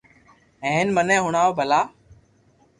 ھين مني ھڻاو ڀلا